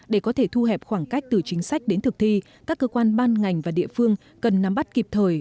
để có thể thu hẹp khoảng cách từ chính sách đến thực thi các cơ quan ban ngành và địa phương cần nắm bắt kịp thời